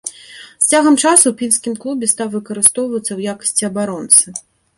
З цягам часу ў пінскім клубе стаў выкарыстоўвацца ў якасці абаронцы.